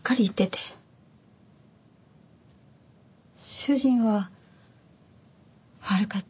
主人は「悪かった。